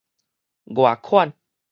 外款